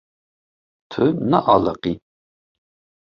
Tu naaliqî.